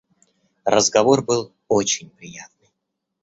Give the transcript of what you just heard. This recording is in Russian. Разговор был очень приятный.